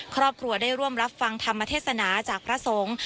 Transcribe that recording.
ครอบครัวได้ร่วมรับฟังธรรมเทศนาจากพระสงฆ์